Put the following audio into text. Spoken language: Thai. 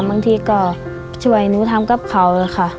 บางทีก็ช่วยหนูทำครับเขา